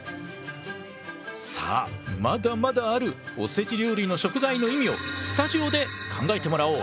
さあまだまだあるおせち料理の食材の意味をスタジオで考えてもらおう。